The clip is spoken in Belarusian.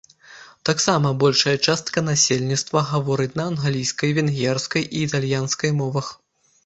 Таксама большая частка насельніцтва гаворыць на англійскай, венгерскай і італьянскай мовах.